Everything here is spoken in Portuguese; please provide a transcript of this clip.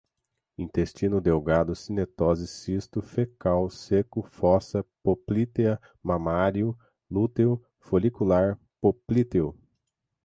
intestino delgado, cinetose, cisto, fecal, ceco, fossa poplítea, mamário, lúteo, folicular, poplíteo